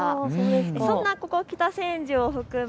そんなここ北千住を含む